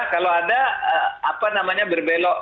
kalau ada apa namanya berbelok